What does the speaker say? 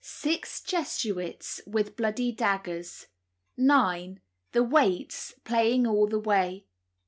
Six Jesuits with bloody daggers. 9. The waits, playing all the way.